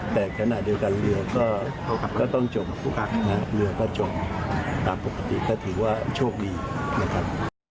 แต่ขณะเดียวกันเรือก็ต้องจบเรือก็จบตามปกติก็ถือว่าโชคดีนะครับ